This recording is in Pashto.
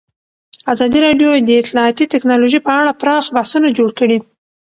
ازادي راډیو د اطلاعاتی تکنالوژي په اړه پراخ بحثونه جوړ کړي.